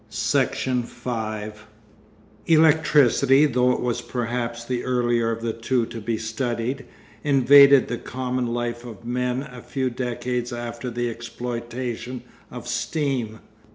Section 5 Electricity, though it was perhaps the earlier of the two to be studied, invaded the common life of men a few decades after the exploitation of steam.